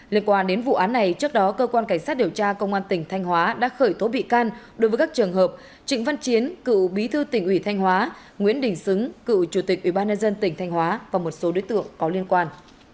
liên quan đến vụ án này trước đó cơ quan cảnh sát điều tra công an tỉnh thanh hóa đã khởi tố bị can đối với các trường hợp trịnh văn chiến cựu bí thư tỉnh ủy thanh hóa nguyễn đình xứng cựu chủ tịch ubnd tỉnh thanh hóa và một số đối tượng có liên quan